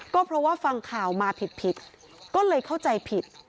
ก็เพราะว่าฟังข่าวมาผิดก็เลยเข้าใจผิด